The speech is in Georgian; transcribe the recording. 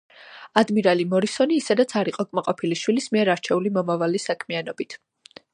ადმირალი მორისონი ისედაც არ იყო კმაყოფილი შვილის მიერ არჩეული მომავალი საქმიანობით.